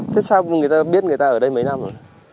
thế sao người ta biết người ta ở đây mấy năm rồi